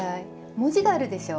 文字があるでしょう？